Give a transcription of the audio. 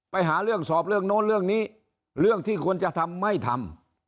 ไปหาเรื่องสอบเรื่องโน้นเรื่องนี้เรื่องที่ควรจะทำไม่ทำ